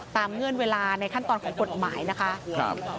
เงื่อนเวลาในขั้นตอนของกฎหมายนะคะ